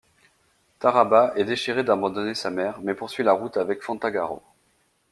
Tarabas est déchiré d'abandonner sa mère, mais poursuit la route avec Fantagaro.